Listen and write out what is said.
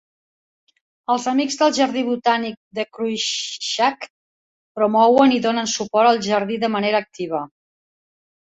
Els Amics del Jardí Botànic de Cruickshank promouen i donen suport al jardí de manera activa.